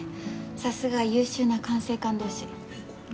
さすが優秀な管制官同士。